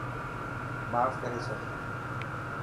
ماف ڪري ڇڏ.